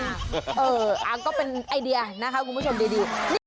เออก็เป็นไอเดียนะคะคุณผู้ชมดี